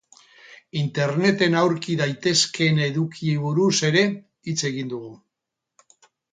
Interneten aurki daitezkeen edukiei buruz ere hitz egin dugu.